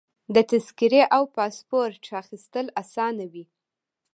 د تذکرې او پاسپورټ اخیستل اسانه وي.